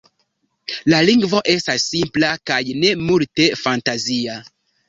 La lingvo estas simpla kaj ne multe fantazia.